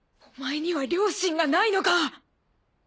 お前には良心がないのか。